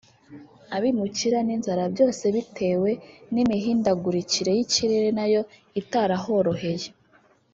abimukira n’inzara byose bitewe n’imihindagurikire y’ikirere nayo itarahoroheye